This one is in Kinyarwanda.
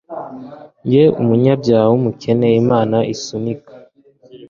Njye umunyabyaha wumukene Imana isunika